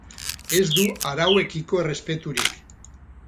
Ez du arauekiko errespeturik.